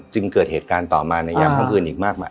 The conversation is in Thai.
จึงเกิดเหตุการณ์ต่อมาในย้ำข้างพื้นอีกมากมาก